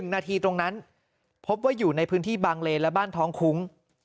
๑นาทีตรงนั้นพบว่าอยู่ในพื้นที่บางเลนและบ้านท้องคุ้ง